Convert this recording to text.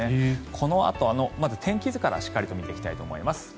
このあと、まず天気図からしっかりと見ていきたいと思います。